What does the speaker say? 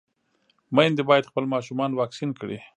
ميندې بايد خپل ماشومان واکسين کړي.